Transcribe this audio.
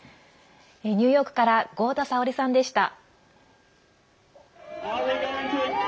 ニューヨークから合田沙おりさんでした。